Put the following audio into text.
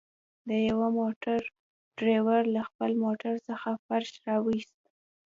د يوه موټر ډريور له خپل موټر څخه فرش راوويست.